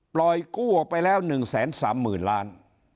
ปล่อยกู้ออกไปแล้ว๑๓๐๐๐ล้าน